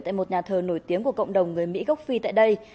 tại một nhà thờ nổi tiếng của cộng đồng người mỹ gốc phi tại đây